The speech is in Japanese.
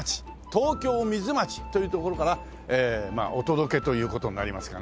東京ミズマチという所からお届けという事になりますかね。